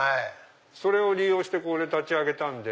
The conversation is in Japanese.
それを利用してこれ立ち上げたんで。